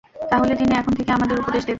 তাহলে তিনি এখন থেকে আমাদের উপদেশ দেবেন?